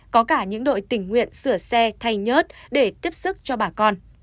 có cả những đội tình nguyện sửa xe thay nhớt để tiếp sức cho bà con